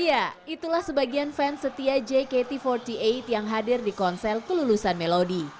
iya itulah sebagian fans setia jkt empat puluh delapan yang hadir di konsel kelulusan melodi